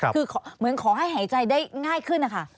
คือเหมือนขอให้หายใจได้ง่ายขึ้นนะคะ